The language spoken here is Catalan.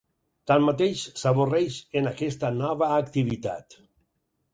Tanmateix s'avorreix en aquesta nova activitat.